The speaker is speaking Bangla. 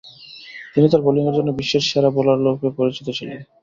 তিনি তার বোলিংয়ের জন্য বিশ্বের সেরা বোলাররূপে পরিচিত ছিলেন।